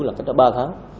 là cách đó ba tháng